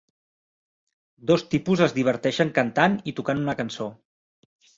Dos tipus es diverteixen cantant i tocant una cançó.